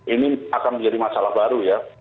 ini akan menjadi masalah baru ya